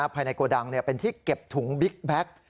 ภายในโกดังเป็นที่เก็บถุงบิ๊กแบ็ค